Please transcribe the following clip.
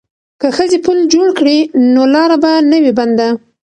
که ښځې پل جوړ کړي نو لاره به نه وي بنده.